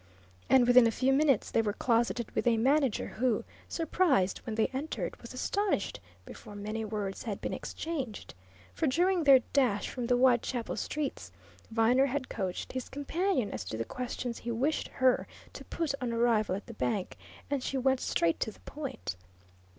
And within a few minutes they were closeted with a manager, who, surprised when they entered, was astonished before many words had been exchanged. For during their dash from the Whitechapel streets Viner had coached his companion as to the questions he wished her to put on arrival at the bank, and she went straight to the point.